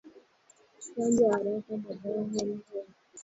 Chanjo ya haraka baada ya kujipata katika hatari ya kuambukizwa